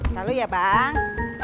lalu ya bang